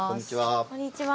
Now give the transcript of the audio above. こんにちは。